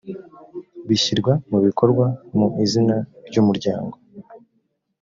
bishyirwa mu bikorwa mu izina ry’umuryango